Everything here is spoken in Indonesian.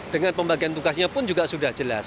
dengan pembagian tugasnya pun juga sudah jelas